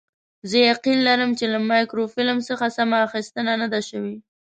زه یقین لرم چې له مایکروفیلم څخه سمه اخیستنه نه ده شوې.